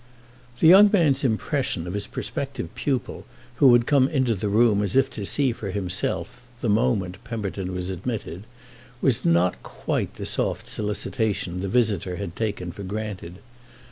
The young man's impression of his prospective pupil, who had come into the room as if to see for himself the moment Pemberton was admitted, was not quite the soft solicitation the visitor had taken for granted.